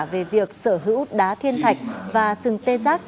về việc sở hữu đá thiên thạch và sừng tê giác